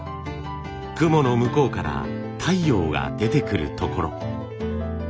雲の向こうから太陽が出てくるところ。